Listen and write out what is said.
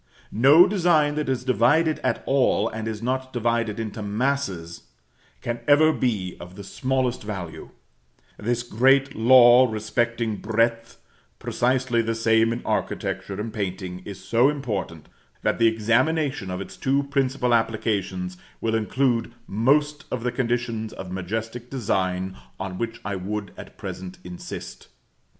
No design that is divided at all, and is not divided into masses, can ever be of the smallest value: this great law respecting breadth, precisely the same in architecture and painting, is so important, that the examination of its two principal applications will include most of the conditions of majestic design on which I would at present insist.